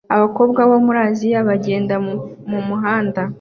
Abakobwa bo muri Aziya bagenda mumuhanda